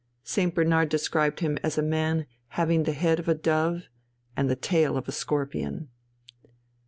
St. Bernard described him as a man having the head of a dove and the tail of a scorpion.